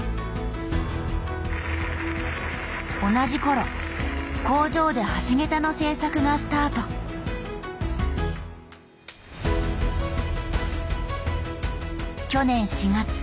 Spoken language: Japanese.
同じ頃工場で橋桁の製作がスタート去年４月。